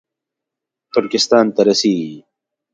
ترکستان ته رسېږي